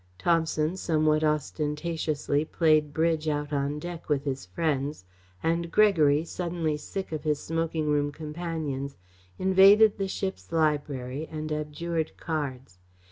Thomson somewhat ostentatiously played bridge out on deck with his friends, and Gregory, suddenly sick of his smoking room companions, invaded the ship's library and abjured cards.